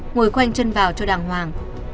ngồi quanh chân vào cho đàng hoàng